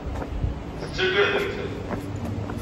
Tettagademt.